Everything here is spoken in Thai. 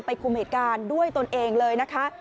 คุมเหตุการณ์ด้วยตนเองเลยนะคะ